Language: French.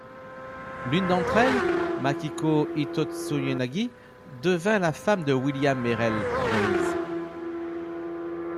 L'une d'entre elles, Makiko Hitotsuyanagi, devint la femme de William Merrell Vories.